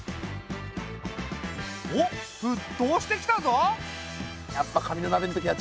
おっ沸騰してきたぞ！